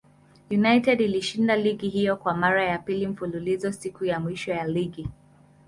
United ilishinda ligi hiyo kwa mara ya pili mfululizo siku ya mwisho ya ligi.